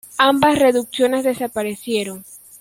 Ambas reducciones desaparecieron.